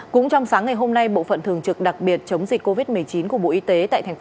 cũng trong sáng ngày hôm nay bộ phận thường trực đặc biệt chống dịch covid một mươi chín của bộ y tế tại tp hcm